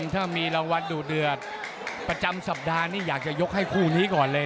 ถ้ามีรางวัลประจำสัปดาห์อยากจะยกให้คู่นี้ก่อนเลย